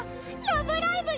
「ラブライブ！」